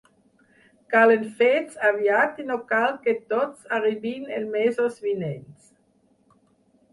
Calen fets aviat i no cal que tots arribin els mesos vinents.